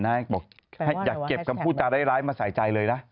ใจเย็นนะอยากเก็บกับผู้จาร้ายมาใส่ใจเลยละ